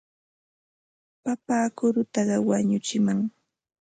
Papa kurutaqa wañuchinam.